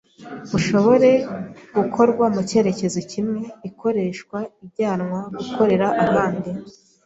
ushobore gukorwa mu cyerekezo kimwe, ikoreshwa ijyanwa gukorera ahandi.